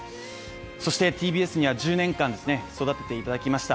そして、ＴＢＳには１０年間、育てていただきました。